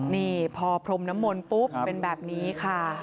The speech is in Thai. นี่พอพรมน้ำมนต์ปุ๊บเป็นแบบนี้ค่ะ